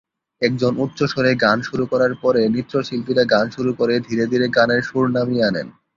একজন উচ্চস্বরে গান শুরু করার পরে নৃত্যশিল্পীরা গান শুরু করে ধীরে ধীরে গানের সুর নামিয়ে আনেন।